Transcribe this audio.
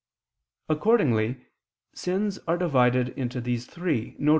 Accordingly sins are divided into these three, viz.